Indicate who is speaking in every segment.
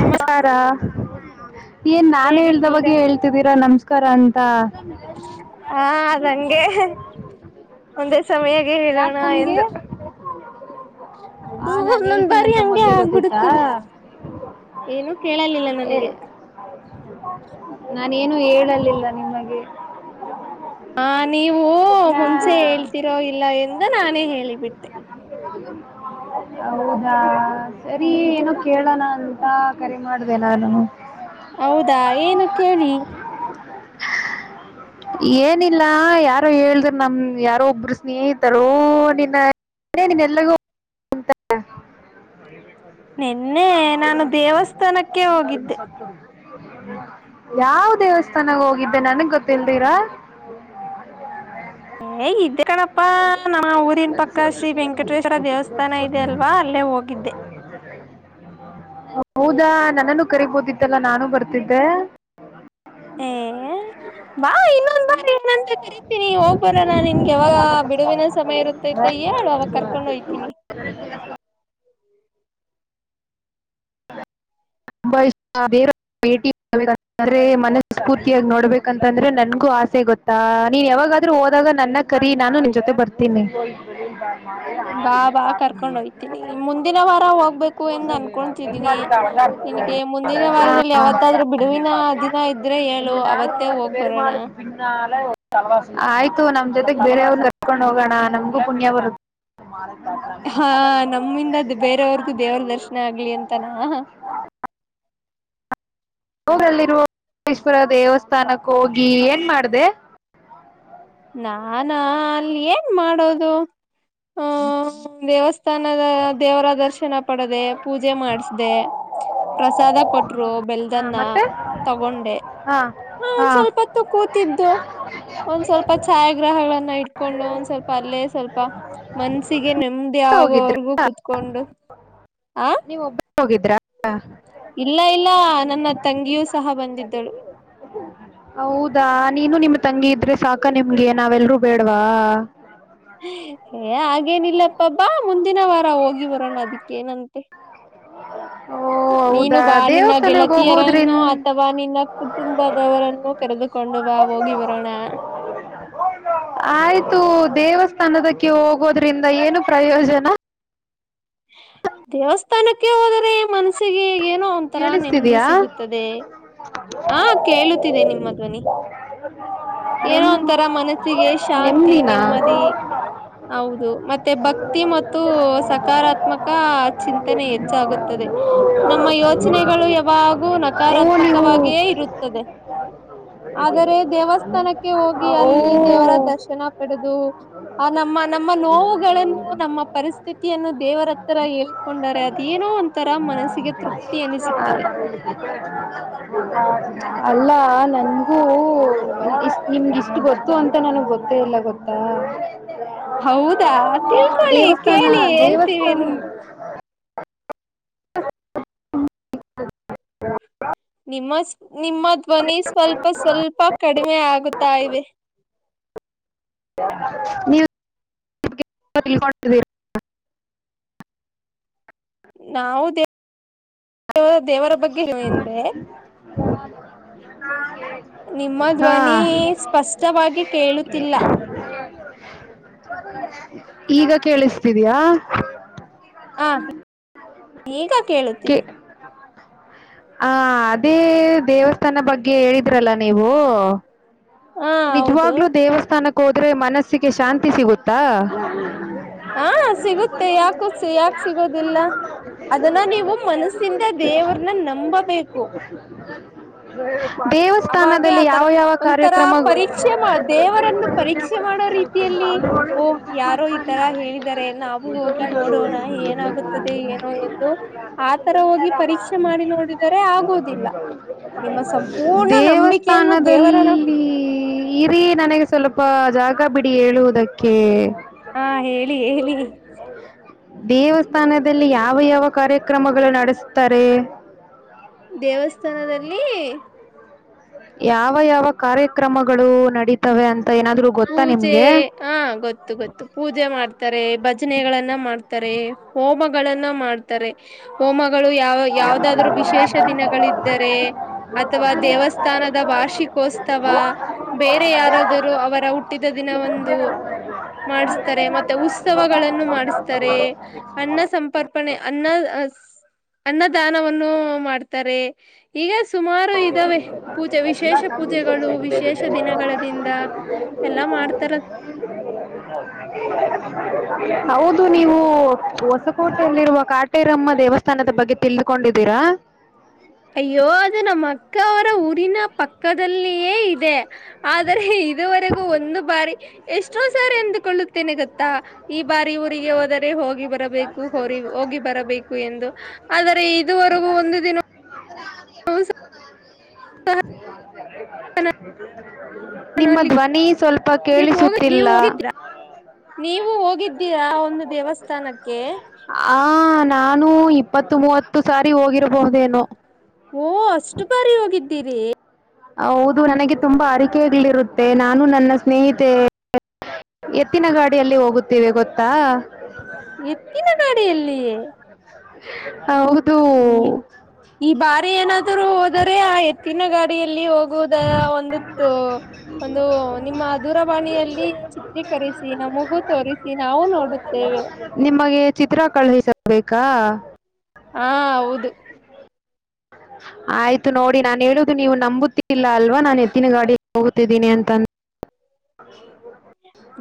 Speaker 1: ನಮ
Speaker 2: ಹಾರ ಏನ್ ನಾನ್
Speaker 1: ಹೇಗಿದ್ದೀರಾ
Speaker 2: ಹೇಳ್ದವಗ್ಗೆ ಹೇಳ್ತಿದ್ದೀರಾ ನಮಸ್ಕಾರ ಅಂತ
Speaker 1: ಹಾ ನಂಗೆ ಒಂದ ಸಮಯಾಗ ಹೇಳೋಣ
Speaker 2: ಯಾಕಂಗೆ
Speaker 1: ಎಂದು ಅದು
Speaker 2: ಆ ನಾನ್
Speaker 1: ಒಂದೊಂದ್ ಬಾರಿ
Speaker 2: ಹೇಳ್ತೀನಂತ
Speaker 1: ಹಂಗೆ
Speaker 2: ಮೊದ್ಲೇ ಗೊತ್ತಿತ್ತಾ
Speaker 1: ಆಗ್ಬಿಡದೆ. ಏನು ಕೇಳಲಿಲ್ಲ
Speaker 2: ಏ,
Speaker 1: ನನಗೆ
Speaker 2: ನಾನೇನು ಹೇಳಲಿಲ್ಲ ನಿಮಗೆ
Speaker 1: ಹಾ ನೀವು
Speaker 2: ನಾ
Speaker 1: ಮುಂಚೆ ಹೇಳ್ತಿರೋ ಇಲ್ಲ ಎಂದು ನಾನೇ ಹೇಳಿಬಿಟ್ಟೆ
Speaker 2: ಹೌದಾ ಸರಿ
Speaker 1: ಹೌದು
Speaker 2: ಏನ ಕೇಳೋಣ ಕರಿ ಮಾಡುದಲ್ಲನು
Speaker 1: ಹೌದಾ ಏನು ಕೇಳಿ
Speaker 2: ಏನಿಲ್ಲ ಯಾರೋ ಹೇಳಿದ್ರ ನಮ ಯಾರೋ ಒಬ್ಬರು ಸ್ನೇಹಿತ ನಿನ್ನ ನಿನ್ಲ್ಲಗೂಂತ
Speaker 1: ನಿನ್ನೆ ನಾನು ದೇವಸ್ಥಾನಕ್ಕೆ ಹೋಗಿದ್ದೆ
Speaker 2: ಯಾವ ದೇವಸ್ಥಾನಾಗ ಹೋಗಿದ್ದೆ ನನ್ಗ್ ಗೊತ್ತಿಲ್ದಿರಾ
Speaker 1: ಏ ಇ್ದ ಕಣಪ್ಪಾ ನಮ್ಮ ಊರಿನ್ ಪಕ್ಕ ಶ್ರೀ ವೆಂಕಟೇಶ್ವರ ದೇವಸ್ಥಾನ ಇದೆ ಅಲ್ವಾ ಅಲ್ಲೇ ಹೋಗಿದ್ದೆ
Speaker 2: ಹೌದಾ ನನ್ನನ್ನು ಕರಿಬೋದಿತ್ತಲ್ಲ ನಾನು ಬರ್ತಿದ್ದೆ
Speaker 1: ಏ
Speaker 2: [unintelligible]
Speaker 1: ಬಾ ಇನ್ನೊಂದ್ ಬಾರಿನಂತ ಕರಿತೀನಿ ಹೋಗ ಬರ ನಾನ್ ನಿನ್ಗೆ ಯಾವಾಗ ಬಿಡುವಿನ ಸಮಯ ಇರುತ್ತೈತೆ ಯ ಅವಾಗ ಕರ್ಕೊಂಡ್ ಹಯ್ತೀನಿ [unintelligible]
Speaker 2: ಹಂಬ ಬೇ ಭೇಟಿ್ರೆ ಮನಸ್ ಸ್ಫೂರ್ತಿಯಾಗಿ ನೋಡ್ಬೇಕಂತಂದ್ರೆ ನನ್ಗೂ ಆಸೆ ಗೊತ್ತಾ ನೀನ್ ಯಾವಾಗ ಹೋದಾಗ ನನ್ನ ಕರಿ ನಾನು ನಿನ್ ಜೊತೆ ಬರ್ತೀನಿ ಹರಿ
Speaker 1: ಬಾ ಬಾ ಕರ್ಕೊಂಡ್ ಹೋಯ್ತೀನಿ ಮುಂದಿನ ವಾರ ಹೋಗ್ಬೇಕು ಎಂದು
Speaker 2: ಎ
Speaker 1: ಅನ್ಕೊತಿದೀನಿ
Speaker 2: ಮಾಡಿದ್ದಲ್ಲ
Speaker 1: ನಿನಗೆ ಮುಂದಿನ ವಾರದಲ್ಲಿ ಯಾವತ್ತಾದ್ರೂ ಬಿಡುವಿನ ದಿನ ಇದ್ರೆ ಹೇಳು
Speaker 2: ಎನ
Speaker 1: ಅವತ್ತೇ ಹೋಗ್
Speaker 2: ಪರುಮ
Speaker 1: ಬರೋಣ
Speaker 2: ಪಿಲ ಆಯ್ತು ನಮ್ ಜೊತೆಗ್ ಬೇರೆ ಯಾವ್ದರು ಕರ್ಕೊಂಡ್ ಹೋಗೋಣ ನಮ್ಗೂ ಪುಣ್ಯ ಬರುತ್ತ [unintelligible]
Speaker 1: ಹಾ ನಮ್ಮಿಂದ ಬೇರೆಯವರ್ಗು ದೇವರ ದರ್ಶನ ಆಗ್ಲಿ ಅಂತಾನ
Speaker 2: ಅವಊರಲ್ಲಿರುವ ಮೇಶ್ವರ ದೇವಸ್ಥಾನಕ್ಕ ಹೋಗಿ ಏನ್ ಮಾಡ್ದ
Speaker 1: ನಾನಾ ಅಲ್ಲಿ ಏನ್ ಮಾಡೋದು ಹ ದೇವಸ್ಥ ಸ್ಥಾನದ ದೇವರ ದರ್ಶನ ಪಡದೆ ಪೂಜೆ ಮಾಡಸ್ದ ಪ್ರಸಾದ ಕೊಟ್ರು
Speaker 2: ಹಾ,
Speaker 1: ಬೆಲ್ದನ್ನ
Speaker 2: ಮತ್ತೆ
Speaker 1: ತಗೊಂಡೆ
Speaker 2: ಹಾ
Speaker 1: ಹಾ ಒಂದ್ ಸ್ವಲ್ಪತ್ತು ಕೂತಿದ್ದು ಒಂದ್ ಸ್ವಲ್ಪ ಛಾಯಾಗ್ರಹಗಳನ್ನ ಇಟ್ಕೊಂಡು ಒಂದ್ ಸ್ವಲ್ಪ ಅಲ್ಲೇ ಸ್ವಲ್ಪ ಮನಸಿಗೆ ನೆಮ್ಮದಿ ಆಗೋರು ಗೂ ಕುೂತ್ಕೊಂಡು ಆ
Speaker 2: ನೀವು ಒಬ್ಬ ಹೋಗಿದ್ರಾ
Speaker 1: ಇಲ್ಲ ಇಲ್ಲ ನನ್ನ ತಂಗಿಯೂ ಸಹ ಬಂದಿದ್ದಳು
Speaker 2: ಹೌದಾ ನೀನು ನಿಮ್ಮ ತಂಗಿ ಇದ್ರೆ ಸಾಕ ನಿಮ್ಗೆ ನಾವೆಲ್ರೂ ಬೇಡ್ವಾ
Speaker 1: ಹಾಗ ಹಾಗೇನಿಲ್ಲಪ್ಪಬಾ ಮುಂದಿನ ವಾರ ಹೋಗಿ ಬರೋಣ ಅದಕ್ಕೇನಂತೆ
Speaker 2: ಹ್ಮ
Speaker 1: ನೀನು ಬಾ ನಿನ್ನ ಗೆಳತಿಯರನ್ನು
Speaker 2: ಹೋಗೋದ್ರಿಂದ
Speaker 1: ಅಥವಾ ನಿನ್ನ ಕುಟುಂಬದವರನ್ನು ಕರೆದುಕೊಂಡು ಬಾ ಹೋಗಿ ಬರೋಣ
Speaker 2: ಆಯ್ತು ದೇವಸ್ಥಾನದಕ್ಕೆ ಹೋಗೋದ್ರಿಂದ ಏನು ಪ್ರಯೋಜನ
Speaker 1: ದೇವಸ್ಥಾನಕ್ಕೆ ಹೋದ್ರೆ ಮನ್ಸ ಮಸಿಗೆ ಏನೋ ಒಂಥರ ನೆಮ್ಮದಿ
Speaker 2: ಕೇಳಿಸ್ತಿದಯಾ
Speaker 1: ಸಿಗುತ್ತದೆ ಹಾ ಕೇಳುತ್ತಿದೆ ನಿಮ್ಮ ಮಧ್ವನಿ ಏನೋ
Speaker 2: ನೆಮ್
Speaker 1: ಒಂತರ ಮನಸ್ಸಿಗೆ ಶಾಂತಿ
Speaker 2: ನೆಮ್ಮದಿನ
Speaker 1: ನೆಮ್ಮದಿ ಹೌದು ಮತ್ತೆ ಭಕ್ತಿ ಮತ್ತು ಸಕಾರಾತ್ಮಕ ಚಿಂತನೆ ಹೆಚ್ಚಾಗುತ್ತದೆ ನಮ್ಮ ಯೋಚನೆಗಳು ಯಾವಾಗೂ
Speaker 2: ಓ
Speaker 1: ನಕಾರಾತ್ಮಕವಾಗಿಯೇ ಇರುತ್ತದೆ ಆದರೆ
Speaker 2: ಅ
Speaker 1: ದೇವಸ್ಥಾನಕ್ಕೆ ಹೋಗಿ ಅಲ್ಲಿ ದೇವರ ದರ್ಶನ ಪಡೆದು ಆ ನಮ್ಮ ನಮ್ಮ ನೋವುಗಳನ್ನು ನಮ್ಮ ಪರಿಸ್ಥಿತಿಯನ್ನು ದೇವರ ಹತ್ರ ಹೇಳೇಳ್ಕೊಂಡಾರೆ ಅದೆನೋ ಅಂತ
Speaker 2: ಹ್ಮ [unintelligible] ಅಲ್ಲ ನನ್ಗೂ ನಿಮ್ಗೆ ಇಷ್ಟು ಗೊತ್ತು ಅಂತ ನನಗ್ ಗೊತ್ತ ಮತ್ತೆ ಎಲ್ಲ ಗೊತ್ತಾ
Speaker 1: ಹೌದಾ ತಿಳ್ಕೊಳ್ಳಿ
Speaker 2: ದೇವಸ್ಥಾನ
Speaker 1: ಕೇಳಿ ಹೇಳ್ತೀವಿ
Speaker 2: ದೇವಸ್ಥಾನ ಹ [unintelligible]
Speaker 1: ನಿಮ್ಮ ನಿಮ್ಮ ಧ್ವನಿ ಸ್ವಲ್ಪ ಸ್ವಲ್ಪ ಕಡಿಮೆ ಆಗುತ್ತಾ ಇವೆ
Speaker 2: ನೀವು
Speaker 1: [unintelligible] ನಾವು ದೇವವ ದೇವರ ಬಗ್ಗೆ ನ್
Speaker 2: [unintelligible]
Speaker 1: ನಿಮ್ಮ
Speaker 2: ಹಾ
Speaker 1: ಧ್ವನಿ ಸ್ಪಷ್ಟವಾಗಿ ಕೇಳುತ್ತಿಲ್ಲ.
Speaker 2: ಈಗ ಕೇಳಿಸ್ತಿದ್ಯಾ ಹ [unintelligible]
Speaker 1: ಈಗ ಕೇಳುತ್ತಿದೆ
Speaker 2: ಹ ಅದೇ ದೇವಸ್ಥಾನ ಬಗ್ಗೆ ಹೇಳಿದ್ರಲ್ಲ ನೀವು
Speaker 1: ಹಾ ಹೌದು.
Speaker 2: ನಿಜವಾಗ್ಲೂ ದೇವಸ್ಥಾನಕ್ಕೆ ಹೋದ್ರೆ ಮನಸ್ಸಿಗೆ ಶಾಂತಿ ಸಿಗುತ್ತಾ
Speaker 1: ಹಾ ಸಿಗುತ್ತೆ ಯಾಕೋ ಯಾಕ ಸಿಗೋದಿಲ್ಲ
Speaker 2: ಹ
Speaker 1: ಅದನ್ನ ನೀವು
Speaker 2: [unintelligible]
Speaker 1: ಮನಸ್ಸಿಂದ ದೇವರನ್ನ ನಂಬಬೇಕು ಅವಾಗೆ
Speaker 2: ದೇವಸ್ಥಾನದಲ್ಲಿ
Speaker 1: ಆತರ
Speaker 2: ಯಾವ ಯಾವ ಕಾರ್ಯ
Speaker 1: ಒಂಥರ ಪರೀಕ್ಷೆ ದೇವರನ್ನು ಪರೀಕ್ಷೆ ಮಾಡೋ ರೀತಿಯಲ್ಲಿ ಓ ಯಾರೋ ಈ ತರ ಹೇಳ ನಾವು ಹೋಗಿ ನೋಡೋಣ ಏನಾಗುತ್ತದೆ ಏನು ಎಂದು ಆ ತರ ಹೋಗಿ ಪರೀಕ್ಷೆ ಮಾಡಿ ನೋಡಿದರೆ ಆಗೋದಿಲ್ಲ ನಿಮ್ಮ ಸಂಪೂರ್ಣ ನಂಬಿಕೆಯನ್ನು ದೇವರನ
Speaker 2: ಇಲ್ಲಿ ಇರೀ ನನಗೆ ಸ್ವಲ್ಪ ಜಾಗ ಬಿಡಿ ಹೇಳುವುದಕ್ಕೆ ಹ
Speaker 1: ಹಾ ಹೇಳಿ ಹೇಳಿ
Speaker 2: [unintelligible] ದೇವಸ್ಥಾನದಲ್ಲಿ ಯಾವ ಯಾವ ಕಾರ್ಯಕ್ರಮಗಳು ನಡೆಸುತ್ತಾರೆ
Speaker 1: ದೇವಸ್ಥಾನದಲ್ಲಿ
Speaker 2: ಯಾವ ಯಾವ ಕಾರ್ಯಕ್ರಮಗಳು ನಡೀತವೆ ಅಂತ ಏನಾದರೂ ಗೊತ್ತಾ
Speaker 1: ಪೂಜೆ
Speaker 2: ನಿಮಗೆ
Speaker 1: ಹ ಗೊತ್ತು ಗೊತ್ತು ಪೂಜೆ ಮಾಡ್ತಾರೆ ಭಜನೆಗಳನ್ನ ಮಾಡ್ತಾರೆ ಹೋಮಗಳನ್ನ ಮಾಡ್ತಾರೆ ಹೋಮಗಳು ಯಾವ ಯಾವದಾದ್ರೂ ವಿಶೇಷ ದಿನಗಳಿದ್ದರೆ ಅಥವಾ ದೇವಸ್ಥಾನ ವಾರ್ಷಿಕೋತ್ಸವ ಬೇರೆ ಯಾರಾದರೂ ಅವರ ಹುಟ್ಟಿದ ದಿನ ಒಂದು ಮಾಡಿಸ್ತಾರೆ ಮತ್ತೆ ಉತ್ಸವಗಳನ್ನು ಮಾಡಿಸ್ತಾರೆ ಅನ್ನ ಸಂಪರ್ಪಣೆ ಅನ್ನ ಅನ್ನದಾನವನ್ನು ಮಾಡ್ತಾರೆ ಈಗ ಸುಮಾರು ಇದ್ದಾವೆ ಪೂಜೆ ವಿಶೇಷ ಪೂಜೆಗಳು ವಿಶೇಷ ದಿನಗಳ ದಿಂದ ಎಲ್ಲಾ ಮಾಡ್ತಾರದ
Speaker 2: ಹೌದು ನೀವು ಹೊಸಕೋಟೆಯಲ್ಲಿರುವ ಕಾಟೇರಮ್ಮ ದೇವಸ್ಥಾನದ ಬಗ್ಗೆ ತಿಳಿದುಕೊಂಡು ಇದ್ದೀರಾ
Speaker 1: ಅಯ್ಯೋ ಅದು ನಮ್ಮ ಅಕ್ಕ ಅವರ ಊರಿನ ಪಕ್ಕದಲ್ಲಿಯೇ ಇದೆ ಆದರೆ ಇದುವರೆಗೂ ಒಂದು ಬಾರಿ ಎಷ್ಟೋ ಸಾರಿ ಅಂದುಕೊಳ್ಳುತ್ತೇನೆ ಗತ್ತಾ ಈ ಬಾರಿ ಊರಿಗೆ ಹೋದರೆ ಹೋಗಿ ಬರಬೇಕು ಹ ಹೋಗಿ ಬರಬೇಕು ಎಂದು ಆದರೆ ಇದುವರೆಗೂ ಒಂದು ದಿನ
Speaker 2: [unintelligible]
Speaker 1: ಅಲ್ಲಿ
Speaker 2: ನಿಮ್ಮ ಧ್ವನಿ ಸ್ವಲ್ಪ
Speaker 1: ಗೆ ಹೋಗ ನೀವು
Speaker 2: ಕೇಳಿಸುತ್ತಿಲ್ಲ
Speaker 1: ಹೋಗಿದ್ರಾ ನೀವು ಹೋಗಿದ್ದೀರಾ ಒಂದು ದೇವಸ್ಥಾನಕ್ಕೆ
Speaker 2: ಆ ನಾ ನಾನು ಇಪ್ಪತ್ತು ಮೂವತ್ತು ಸಾರಿ ಹೋಗಿರಬಹುದೇನು
Speaker 1: ಓ ಅಷ್ಟು ಬಾರಿ ಹೋಗಿದ್ದೀರಿ
Speaker 2: ಹೌದು ನನಗೆ ತುಂಬಾ ಅರಿಕೆಗ್ಲಿರುತ್ತೆ ನಾನು ನನ್ನ ಸ್ನೇಹಿತೆ ಎತ್ತಿನ ಗಾಡಿಯಲ್ಲಿ ಹೋಗುತ್ತೇವೆ ಗೊತ್ತಾ
Speaker 1: ಎತ್ತಿನ ಕಾಡಿಯಲ್ಲಿಯೇ
Speaker 2: ಹೌದು
Speaker 1: ಈ ಬಾರಿ ಏನಾದರುೂ ಹೋದರೆ ಆ ಎತ್ತಿನ ಗಾಡಿಯಲ್ಲಿ ಹೋಗುವುದ ಒಂದತ್ತು ಒಂದು ನಿಮ್ಮ ದೂರವಾಣಿಯಲ್ಲಿ ಚಿತ್ರೀಕರಿಸಿ ನಮಗೂ ತೋರಿಸಿ ನಾವು ನೋಡುತ್ತೆವೆ
Speaker 2: ನಿಮಗೆ ಚಿತ್ರ ಕಳುಹಿಸಬೇಕಾ
Speaker 1: ಹಾ ಹೌದು [unintelligible]
Speaker 2: ಆಯ್ತು ನೋಡಿ ನಾನ್ ಹೇಳುದು ನೀವು ನಂಬುತ್ತ ಇಲ್ಲ ಅಲ್ವಾ ನಾನ್ ಎತ್ತಿನ ಗಾಡಿಗೆ ಹೋಗುತ್ತಿದ್ದೀನಿ ಅಂತಂದ ಹ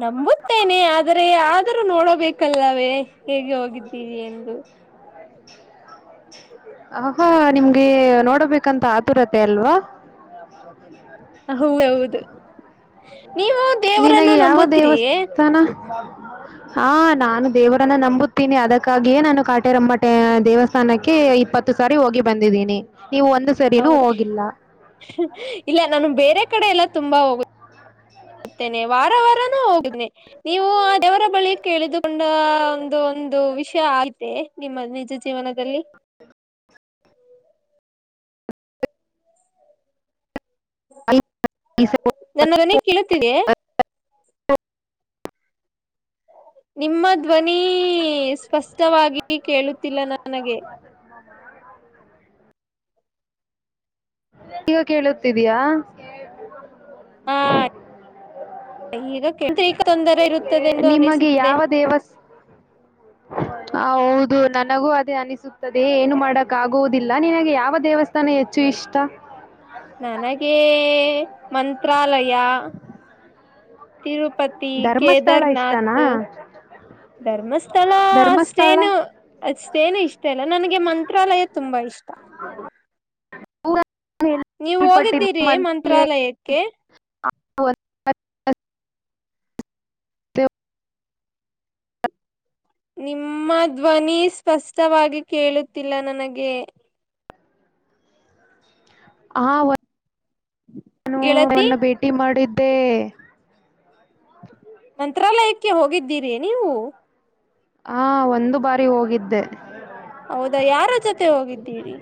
Speaker 1: ನಂಬುತ್ತೇನೆ ಆದರೆ ಆದರೂ ನೋಡಬೇಕಲ್ಲವೇ ಹೇಗೆ ಹೋಗಿದ್ದೀರಿ ಎಂದು [inaudible]
Speaker 2: ಹಹಾ ನಿಮ್ಗೆ ನೋಡಬೇಕಂತ ಆತುರತೆ ಅಲ್ವಾ
Speaker 1: ಹೌದ ಹೌದು
Speaker 2: ನಿನಗೆ ಯಾವ ದೇವಸ್ಥಾನ ಹಾ ನಾನು ದೇವರನ್ನ ನಂಬುತ್ತೀನಿ ಅದಕ್ಕಾಗಿಯೇ ನಾನು ಕಾಟೇರಮ್ಮಟ ದೇವಸ್ಥಾನಕ್ಕೆ ಇಪ್ಪತ್ತು ಸಾರಿ ಹೋಗಿ ಬಂದಿದ್ದೀನಿ ನೀವು ಒಂದು ಸರಿನೂ
Speaker 1: ಹೌದ
Speaker 2: ಹೋಗಿಲ್ಲ
Speaker 1: ಇಲ್ಲ ನಾನು ಬೇರೆ ಕಡೆ ಎಲ್ಲ ತುಂಬಾ ಹೋಗ ನೆ ವಾರ ವಾರನು ಹೋಗುದನನೆ ನೀವು ದವರ ಬಳಿ ಕೇಳಿದುಕೊಂಡ ಒಂದು ಒಂದು ವಿಷಯ ಆಗತೆ ನಿಮ್ಮ ನಿಜ ಜೀವನದಲ್ಲಿ [unintelligible] ನನ್ನರನೆ ಕೇಳುತ್ತಿದೆ [inaudible] ನಿಮ್ಮ ಧ್ವನಿ ಸ್ಪಷ್ಟವಾಗಿ ಕೇಳುತ್ತಿಲ್ಲ ನನಗೆ [inaudible]
Speaker 2: ಈಗ ಕೇಳತಿದಯಾ
Speaker 1: ಹಾ ಇರುತ್ತದೆ ಎಂದು
Speaker 2: ನಿಮಗೆ
Speaker 1: ಅನಿಸುತ್ತದೆ
Speaker 2: ಯಾವ ದೇವಸ್ಥಾ ಹ ಹೌದು ನನಗೂ ಅದೇ ಅನಿಸುತ್ತದೆ ಏನು ಮಾಡಕ್ ಆಗುವುದಿಲ್ಲ ನಿನಗೆ ಯಾವ ದೇವಸ್ಥಾನ ನನು ಹೆಚ್ಚು ಇಷ್ಟ
Speaker 1: ನನಗೆ ಮಂತ್ರಾಲಯ ತಿರುಪತಿ
Speaker 2: ಧರ್ಮಸ್ಥಳ ಇಷ್ಟನಾ
Speaker 1: ಕೇದಾರ್ನಾಥ್ ಧರ್ಮಸ್ಥಳ
Speaker 2: ಧರ್ಮಸ್ಥಳ
Speaker 1: ಅಷ್ಟೇನು ಅಷ್ಟೇನು ಇಷ್ಟೇ ಅಲ್ಲ ನನಗೆ ಮಂತ್ರಾಲಯ ತುಂಬಾ ಇಷ್ಟ ನೀವು ಹೋಗಿದ್ದೀರಿ ಮಂತ್ರಾಲಯಕ್ಕೆ
Speaker 2: ಹ [unintelligible]
Speaker 1: ನಿಮ್ಮ ಧ್ವನಿ ಸ್ಪಷ್ಟವಾಗಿ ಕೇಳುತ್ತಿಲ್ಲ ನನಗೆ
Speaker 2: ಹ
Speaker 1: ಹ್ಮ
Speaker 2: ಹ ಅವನ್ನ ಭೇಟಿ ಮಾಡಿದ್ದೆ
Speaker 1: ಮಂತ್ರಾಲಯಕ್ಕೆ ಹೋಗಿದ್ದೀರಿ ನೀವು
Speaker 2: ಹಾ ಒಂದು ಬಾರಿ ಹೋಗಿದ್ದೆ
Speaker 1: ಹೌದಾ ಯಾರ ಜೊತೆ ಹೋಗಿದ್ದೀರಿ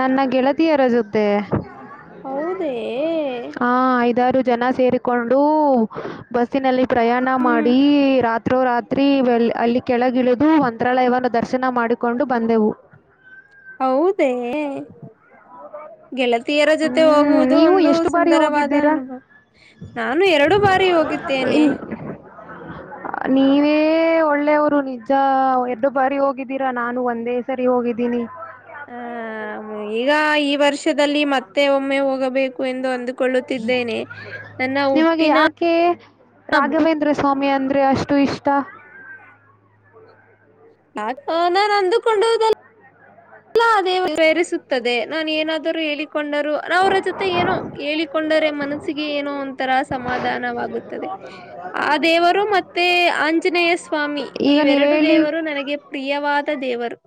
Speaker 2: ನನ್ನ ಗೆಳತಿಯರ ಜೊತೆ
Speaker 1: ಹೌದೇ
Speaker 2: ಆ ಐದಾರು ಜನ ಸೇರಿಕೊಂಡು ಬಸ್ಸಿನಲ್ಲಿ ಪ್ರಯಾಣ
Speaker 1: ಹ್ಮ್
Speaker 2: ಮಾಡಿ ರಾತ್ರಿ ರೋ ರಾತ್ರಿ ಅಲ್ಲಿ ಕೆಳಗಿಳಿದು ಮಂತ್ರಾಲಯವನ್ನು ದರ್ಶನ ಮಾಡಿಕೊಂಡು ಬಂದೆವು
Speaker 1: ಹೌದೇ ಗೆಳತಿಯರ ಜೊತೆ
Speaker 2: ಹ್ಮ್
Speaker 1: ಹೋಗುವುದು
Speaker 2: ನೀವು
Speaker 1: ಒಂದು
Speaker 2: ಎಷ್ಟು ಬಾರಿ
Speaker 1: ಸುಂದರವಾದ
Speaker 2: ಹೋಗಿದ್ದೀರಾ
Speaker 1: ಅನುಭವ ನಾನು ಎರಡು ಬಾರಿ ಹೋಗ ತ್ತನೆ
Speaker 2: ಇನ್ ನೀವೇ ಒಳ್ಳೆಯವರು ನಿಜ ಎರಡ ಬಾರಿ ಹೋಗಿದ್ದೀರಾ ನಾನು ಒಂದೇ ಸರಿ ಹೋಗಿದ್ದೀ ಇನಿ
Speaker 1: ಹ ಈಗ ಈ ವರ್ಷದಲ್ಲಿ ಮತ್ತೆ ಒಮ್ಮೆ ಹೋಗಬೇಕು ಎಂದು ಒಂದು ಕೊಳ್ಳುತ್ತಿದ್ದೇನೆ ನನ್ನ
Speaker 2: ನಿಮಗೆ
Speaker 1: ಹುಟ್ಟಿನ
Speaker 2: ಕಮ್ಮಿ ಅಂದರೆ ಅಷ್ಟು ಇಷ್ಟ
Speaker 1: ನಾನ್ ಅಂದುಕೊಂಡ ಹೋದಲ್ಲ ಅಲ್ಲ ಅದೇ ಪ್ರರಿಸುತ್ತದೆ ನಾನ ಏನಾದ್ರು ಹೇಳ ಕೊಂಡರು ನ ಅವರ ಜೊತೆ ಏನೋ ಹೇಳಿಕೊಂಡರೆ ಮನಸ್ಸಿಗೆ ಏನೋ ಒಂತರ ಸಮಾಧಾನವಾಗುತ್ತದೆ ಆ ದೇವರು ಮತ್ತೆ ಆಂಜನೇಯ ಸ್ವಾಮಿ
Speaker 2: ಈಗ ನೀವು
Speaker 1: ಇವೆರಡು
Speaker 2: ಹೇಳಿ
Speaker 1: ದೇವರು ನನಗೆ ಪ್ರಿಯ ವಾದ ದೇವರು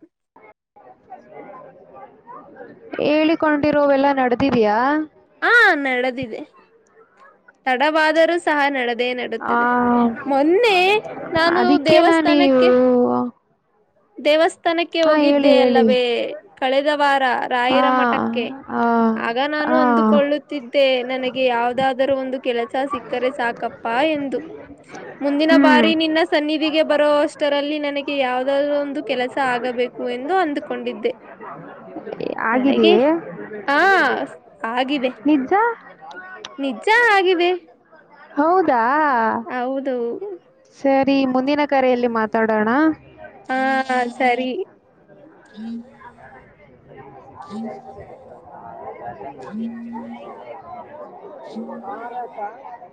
Speaker 2: ಹೇಳಿಕೊಂಡಿರೋವೆಲ್ಲಾ ನಡೆದಿದ್ಯಾಾ
Speaker 1: ಹಾ ನಡೆದಿದೆ ತಡವಾದರೂ ಸಹ ನಡೆದ ಅದೇ
Speaker 2: ಆ,
Speaker 1: ನಡದೆ ಮೊನ್ನೆ ನಾನು
Speaker 2: ಅದಕ್ಕೆ ನಾನು
Speaker 1: ದೇವಸ್ಥಾನಕ್ಕೆ
Speaker 2: ನೀವು
Speaker 1: ದೇವಸ್ಥ ತನಕ್ಕೆ
Speaker 2: ಹಾ ಹೇಳಿ
Speaker 1: ಹೋಗಿದ್ದೆ
Speaker 2: ಹೇಳಿ
Speaker 1: ಅಲ್ಲವೇ ಕಳೆದ ವಾರ
Speaker 2: ಹಾ
Speaker 1: ರಾಯರ ಮಠಕ್ಕೆ
Speaker 2: ಆ
Speaker 1: ಆಗ ನಾ ನಾನು
Speaker 2: ಆ
Speaker 1: ಅಂದುಕೊಳ್ಳುತ್ತಿದ್ದೆ ನನಗೆ ಯಾವದಾದರೂ ಒಂದು ಕೆಲಸ ಸಿಕ್ಕರೆ ಸಾಕಪ್ಪ ಎಂದು ಮುಂದಿನ
Speaker 2: ಹ್ಮ್
Speaker 1: ಬಾರಿ ನಿನ್ನ ಸನ್ನಿಧಿಗೆ ಬರುವೋ ಅಷ್ಟರಲ್ಲಿ ನನಗೆ ಯಾವ್ದಾದ ಒಂದು ಕೆಲಸ ಆಗಬೇಕು ಎಂದು ಅಂದುಕೊಂಡಿದ್ದೆ ನನಗೆ
Speaker 2: ಆಗಿದಯೇ
Speaker 1: ಆ ಆಗಿದೆ
Speaker 2: ನಿಜ
Speaker 1: ನಿಜ ಆಗಿದೆ
Speaker 2: ಹೌದಾ
Speaker 1: ಹೌದು
Speaker 2: ಸರಿ ಮುಂದಿನ ಕರೆಯಲ್ಲಿ ಮಾತಾಡೋಣ
Speaker 1: ಹಾ ಸರಿ
Speaker 2: ಹತಾ [inaudible]